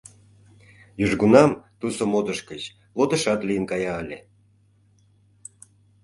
Южгунам тусо модыш гыч лодышат лийын кая ыле.